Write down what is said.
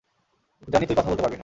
জানি তুই কথা বলতে পারবি না।